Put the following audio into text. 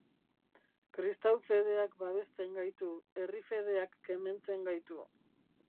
Kristau fedeak babesten gaitu, herri fedeak kementzen gaitu.